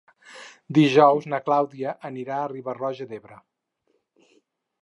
Dijous na Clàudia anirà a Riba-roja d'Ebre.